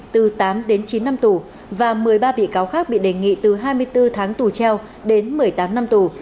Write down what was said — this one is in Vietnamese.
từ tám đến chín năm tù và một mươi ba bị cáo khác bị đề nghị từ hai mươi bốn tháng tù treo đến một mươi tám năm tù